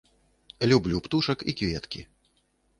Люблю птушак і кветкі.